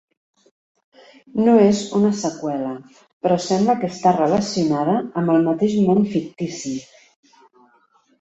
No és una seqüela, però sembla que està relacionada amb el mateix món fictici.